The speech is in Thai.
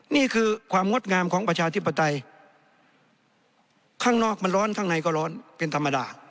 นี่คือความงดงามของประชาธิปไตยข้างนอกมันร้อนข้างในก็ร้อนเป็นธรรมดา